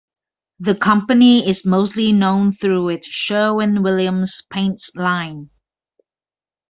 The company is mostly known through its Sherwin-Williams Paints line.